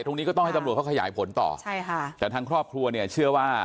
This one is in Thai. ตรงนี้ก็ต้องให้ตำรวจเขาขยายผลต่อใช่ค่ะแต่ทางครอบครัวเนี่ยเชื่อว่า